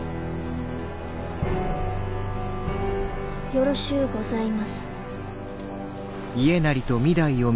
よろしうございます。